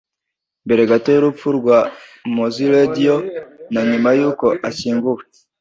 Mbere gato y’urupfu rwa Mowzey Radio na nyuma y’uko ashyinguwe